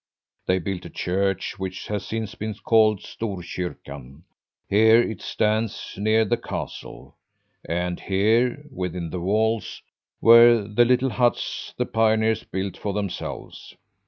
They built a church, which has since been called 'Storkyrkan.' Here it stands, near the castle. And here, within the walls, were the little huts the pioneers built for themselves.